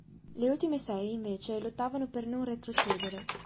Le ultime sei, invece, lottavano per non retrocedere.